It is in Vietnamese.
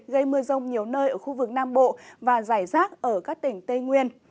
gây mưa rông nhiều nơi ở khu vực nam bộ và giải rác ở các tỉnh tây nguyên